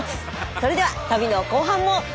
それでは旅の後半も！